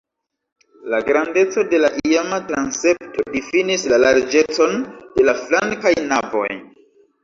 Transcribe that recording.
La grandeco de la iama transepto difinis la larĝecon de la flankaj navoj.